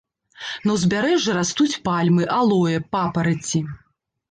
На ўзбярэжжы растуць пальмы, алоэ, папараці.